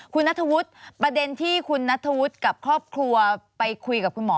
คุณนัทธวุฒิประเด็นที่คุณนัทธวุฒิกับครอบครัวไปคุยกับคุณหมอ